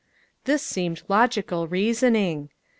This seemed logical reasoning.